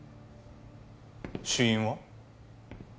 死因は？